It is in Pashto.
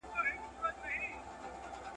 چي و ويشت نه سې، خبر به نه سې.